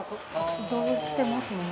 移動してますもんね